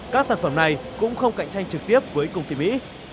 các sản phẩm này cũng không cạnh tranh trực tiếp với công ty mỹ